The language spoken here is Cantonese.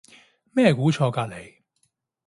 咩係估錯隔離